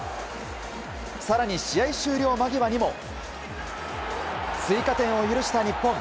更に、試合終了間際にも追加点を許した日本。